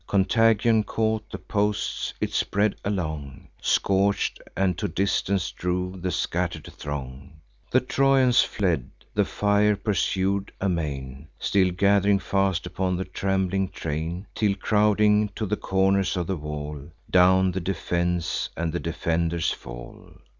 Contagion caught the posts; it spread along, Scorch'd, and to distance drove the scatter'd throng. The Trojans fled; the fire pursued amain, Still gath'ring fast upon the trembling train; Till, crowding to the corners of the wall, Down the defence and the defenders fall.